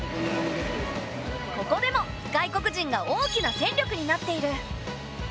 ここでも外国人が大きな戦力になっている。